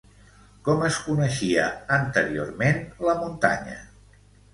Com es coneixia anteriorment la muntanya?